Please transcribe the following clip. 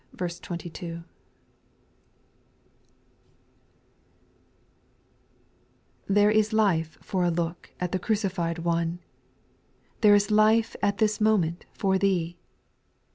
rr HERE is life for a look at the crucified One; There is life at this moment for thee.